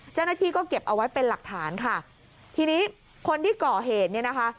เจ้าหน้าที่ก็เก็บเอาไว้เป็นหลักฐานค่ะทีนี้คนที่ก่อเหตุเนี่ยนะคะ